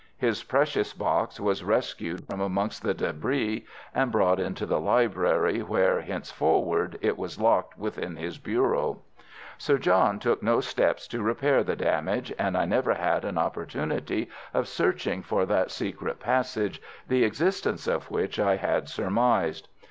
His precious box was rescued from amongst the débris and brought into the library, where, henceforward, it was locked within his bureau. Sir John took no steps to repair the damage, and I never had an opportunity of searching for that secret passage, the existence of which I had surmised.